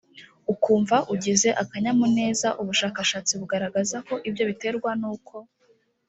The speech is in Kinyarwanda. ukumva ugize akanyamuneza ubushakashatsi bugaragaza ko ibyo biterwa n uko